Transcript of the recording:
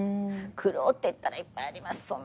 苦労っていったらいっぱいあります。